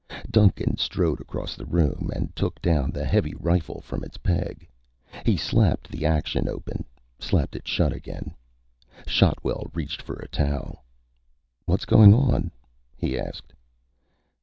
Duncan strode across the room and took down the heavy rifle from its peg. He slapped the action open, slapped it shut again. Shotwell reached for a towel. "What's going on?" he asked.